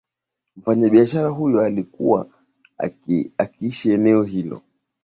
Mfanya biashara huyo alikuwa akiishi eneo hilo